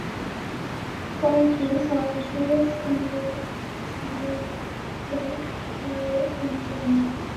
Four teams were serious candidates: Standard, Genk, Charleroi and Gent.